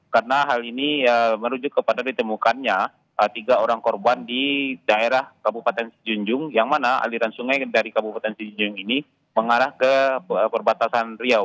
karena hal ini merujuk kepada ditemukannya tiga orang korban di daerah kabupaten sejunjung yang mana aliran sungai dari kabupaten sejunjung ini mengarah ke perbatasan riau